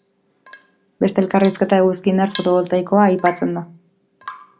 Beste elkarrizketa eguzki-indar fotovoltaikoa aipatzen da.